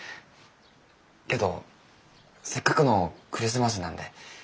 けどせっかくのクリスマスなんで。